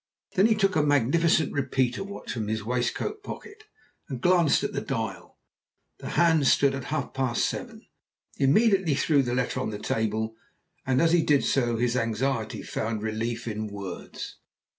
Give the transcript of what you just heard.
Then he took a magnificent repeater watch from his waistcoat pocket and glanced at the dial; the hands stood at half past seven. He immediately threw the letter on the table, and as he did so his anxiety found relief in words.